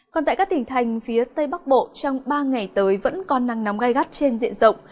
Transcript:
còn tại các tỉnh thành phía tây bắc bộ trong ba ngày tới vẫn có nắng nóng gai gắt trên diện rộng